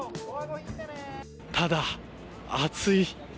ただ、暑い。